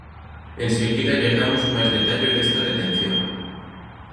Enseguida lles damos máis detalles desta detención.